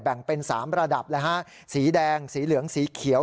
แบ่งเป็นสามระดับแล้วฮะสีแดงสีเหลืองสีเขียว